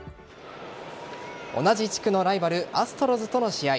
同じ地区のライバルアストロズとの試合。